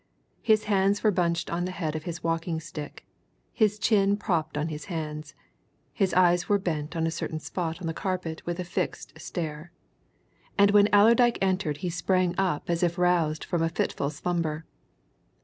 His hands were bunched on the head of his walking stick, his chin propped on his hands; his eyes were bent on a certain spot on the carpet with a fixed stare. And when Allerdyke entered he sprang up as if roused from a fitful slumber.